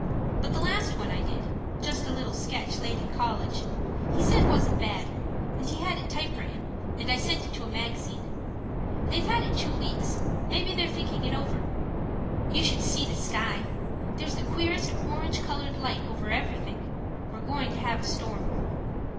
But the last one I did just a little sketch laid in college he said wasn't bad; and he had it typewritten, and I sent it to a magazine. They've had it two weeks; maybe they're thinking it over. You should see the sky! There's the queerest orange coloured light over everything. We're going to have a storm.